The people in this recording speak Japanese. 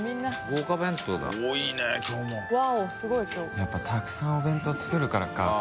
やっぱたくさんお弁当作るからか。